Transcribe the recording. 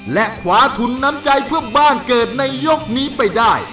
และขวาทุนน้ำใจเพื่อบ้านเกิดในยกนี้ไปได้